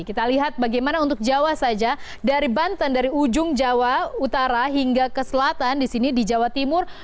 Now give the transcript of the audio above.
kita lihat bagaimana untuk jawa saja dari banten dari ujung jawa utara hingga ke selatan di sini di jawa timur